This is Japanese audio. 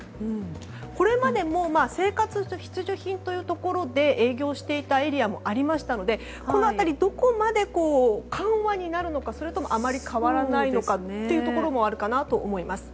これまでも生活必需品ということで営業していたエリアもありましたのでこの辺りどこまで緩和になるのかそれともあまり変わらないのかというところもあるかなと思います。